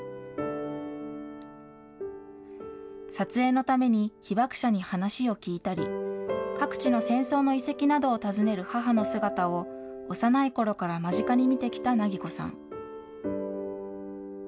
撮影のために被爆者に話を聞いたり、各地の戦争の遺跡などを訪ねる母の姿を幼いころから間近に見てきた梛子さん。